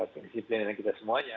berdisiplin kita semuanya